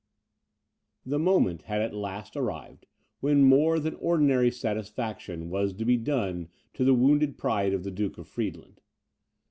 The moment had at last arrived, when more than ordinary satisfaction was to be done to the wounded pride of the Duke of Friedland.